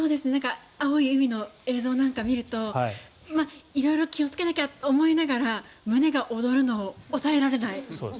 青い海の映像なんか見ると色々気をつけなきゃと思いながら胸が躍るのを抑えられない。